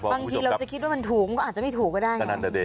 บางทีเราจะคิดว่ามันถูกมันก็อาจจะไม่ถูกก็ได้